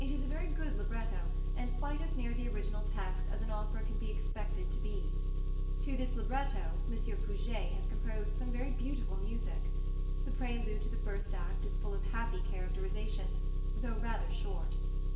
It is a very good libretto, and quite as near the original text as an opera can be expected to be. To this libretto M. Puget has composed some very beautiful music. The prelude to the first act is full of happy characterisation, though rather short.